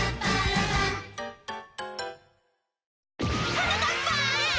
はなかっぱ！